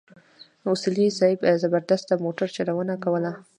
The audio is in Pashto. اصولي صیب زبردسته موټرچلونه کوله.